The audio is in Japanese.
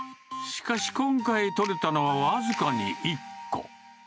しかし今回取れたのは僅かに１個。